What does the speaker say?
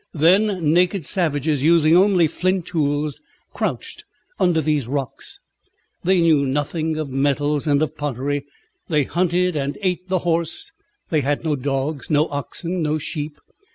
Then naked savages, using only flint tools, crouched under these rocks. They knew nothing of metals and of pottery. They hunted and ate the horse; they had no dogs, no oxen, no sheep.